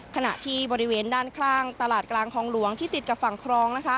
ขณะที่บริเวณด้านข้างตลาดกลางคลองหลวงที่ติดกับฝั่งครอง